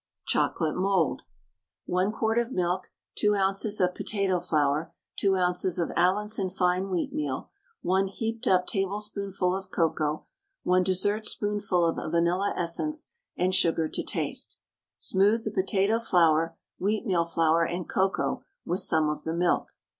CHOCOLATE MOULD. 1 quart of milk, 2 oz. of potato flour, 2 oz. of Allinson fine wheatmeal, 1 heaped up tablespoonful of cocoa, 1 dessertspoonful of vanilla essence, and sugar to taste. Smooth the potato flour, wheatmeal flour, and cocoa with some of the milk.